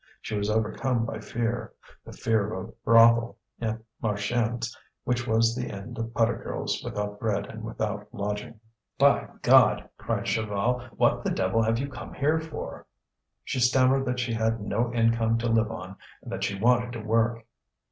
She was overcome by fear, the fear of a brothel at Marchiennes, which was the end of putter girls without bread and without lodging. "By God!" cried Chaval, "what the devil have you come here for?" She stammered that she had no income to live on and that she wanted to work.